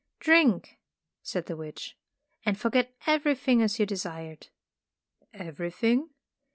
"Drink," said the witch, "and forget everything as you desired." "Everything?"